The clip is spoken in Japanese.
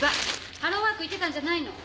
ハローワーク行ってたんじゃないの？